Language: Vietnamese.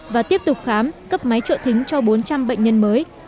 và tiếp tục khám cấp máy trợ thính cho bốn trăm linh bệnh nhân mới